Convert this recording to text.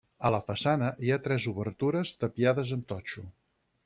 A la façana hi ha tres obertures tapiades amb totxo.